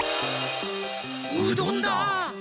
うどんだ！